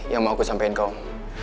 yang mau aku sampein ke om